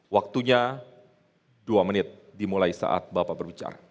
waktunya dua menit dimulai saat bapak berbicara